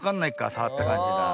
さわったかんじが。